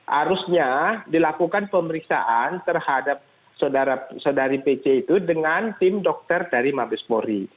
harusnya dilakukan pemeriksaan terhadap saudari pc itu dengan tim dokter dari mabespori